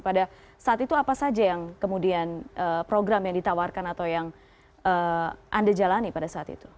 pada saat itu apa saja yang kemudian program yang ditawarkan atau yang anda jalani pada saat itu